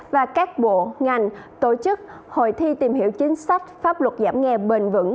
và các bộ ngành tổ chức hội thi tìm hiểu chính sách pháp luật giảm nghèo bền vững